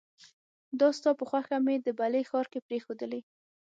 دا ستا په خوښه مې د بلې ښار کې پريښودلې